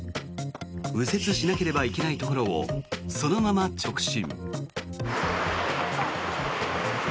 右折しなければいけないところをそのまま直進。